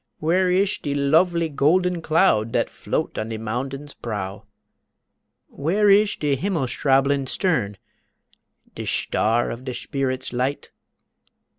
Where ish de lofely golden cloud Dat float on de moundain's prow? Where ish de himmelstrablende Stern De shtar of de shpirit's light?